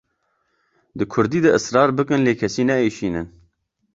Di Kurdî de israr bikin lê kesî neêşînin.